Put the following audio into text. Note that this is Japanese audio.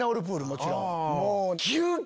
もちろん。